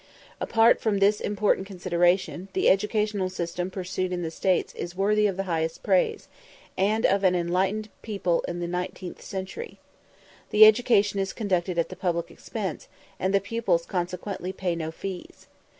Apart from this important consideration, the educational system pursued in the States is worthy of the highest praise, and of an enlightened people in the nineteenth century. The education is conducted at the public expense, and the pupils consequently pay no fees.